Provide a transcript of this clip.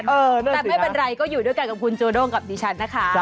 แต่ไม่เป็นไรก็อยู่ด้วยกันกับคุณโจด้งกับดิฉันนะคะ